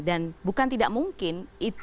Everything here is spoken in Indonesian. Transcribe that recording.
dan bukan tidak mungkin